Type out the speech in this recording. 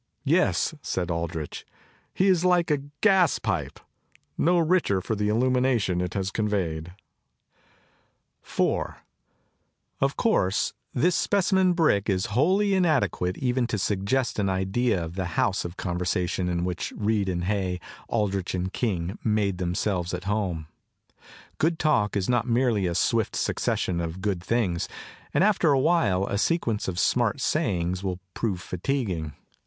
"Yes," said Aldrich, "he is like a gaspipe, no richer for the illumination it has conveyed." IV OF course, this specimen br holly in adequate even to suggest an idea of the house of conversation in which Reed and Hay, Aldrich 159 CONCERNING CONVERSATION and King, made themselves at home. Good talk is not merely a swift succession of good things; and after a while a sequence of smart sayings will prove fatiguing.